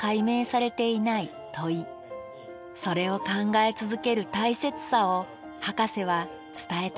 それを考え続ける大切さをハカセは伝えたいんですね。